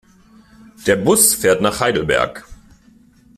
Der Bus fährt nach Heidelberg